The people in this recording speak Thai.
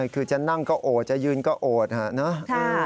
คือจะนั่งก็โอดจะยืนก็โอดฮะนะ